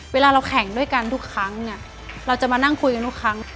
เวลาเราแข่งด้วยกันทุกครั้งเนี่ยเราจะมานั่งคุยกันทุกครั้ง